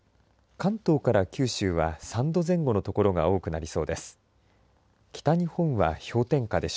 関東から九州は３度前後の所が多くなりそうです。